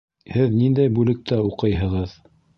Һеҙ ниндәй бүлектә уҡыйһығыҙ?